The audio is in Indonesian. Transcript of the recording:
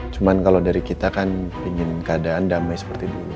cuma kalau dari kita kan ingin keadaan damai seperti dulu